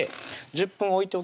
１０分置くとね